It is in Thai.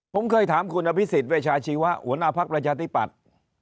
ผมเคยถามคุณอภิษฎเวชาชีวะหัวหน้าภักดิ์ประชาธิปัตย์